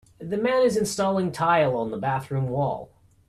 The man is installing tile on the bathroom wall.